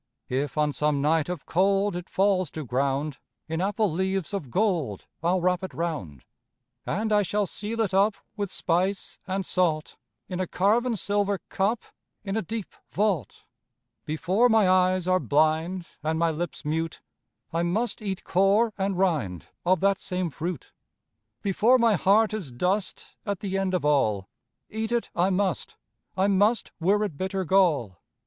If on some night of cold It falls to ground In apple leaves of gold I'll wrap it round. And I shall seal it up With spice and salt, In a carven silver cup, In a deep vault. Before my eyes are blind And my lips mute, I must eat core and rind Of that same fruit. Before my heart is dust At the end of all, Eat it I must, I must Were it bitter gall.